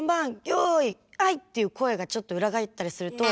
よいはい！」っていう声がちょっと裏返ったりすると。